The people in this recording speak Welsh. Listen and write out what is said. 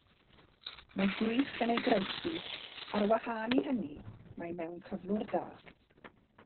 Mae gwrych yn ei groesi; ar wahân i hynny mae mewn cyflwr da.